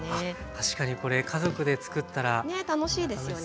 確かにこれ家族でつくったら楽しそうですね。